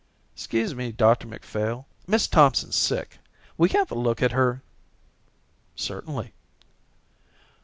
"Excuse me, Dr Macphail, Miss Thompson's sick. Will you have a look at her." "Certainly."